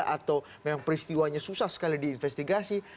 atau memang peristiwanya susah sekali diinvestigasi